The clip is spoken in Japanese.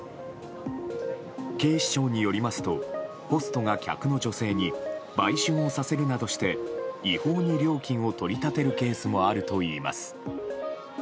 警視庁によりますとホストが客の女性に売春をさせるなどして違法に料金を取り立てるケースもあるといいます。